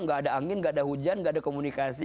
nggak ada angin nggak ada hujan nggak ada komunikasi